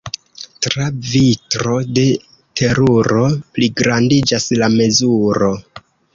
Tra vitro de teruro pligrandiĝas la mezuro.